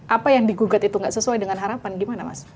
apa yang digugat itu tidak sesuai dengan harapan